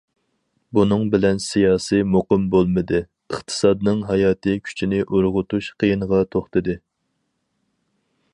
بۇنىڭ بىلەن سىياسىي مۇقىم بولمىدى، ئىقتىسادنىڭ ھاياتى كۈچىنى ئۇرغۇتۇش قىيىنغا توختىدى.